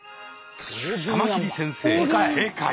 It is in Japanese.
カマキリ先生正解。